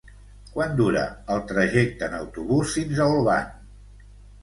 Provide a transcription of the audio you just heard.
Quant dura el trajecte en autobús fins a Olvan?